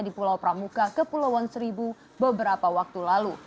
di pulau pramuka ke pulau wan seribu beberapa waktu lalu